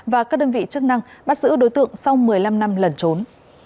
và các đơn vị chức năng bắt giữ đối tượng sau một mươi năm năm lẩn trốn